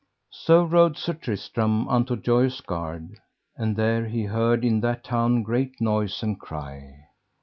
So rode Sir Tristram unto Joyous Gard, and there he heard in that town great noise and cry.